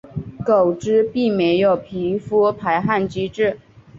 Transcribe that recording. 狗只并没有皮肤排汗机制。